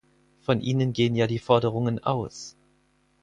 Von ihnen gehen ja die Forderungen aus.